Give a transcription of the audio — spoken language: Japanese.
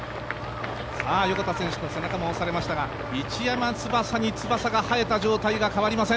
横田選手も背中を押されましたが市山翼に翼が生えた状態が変わりません。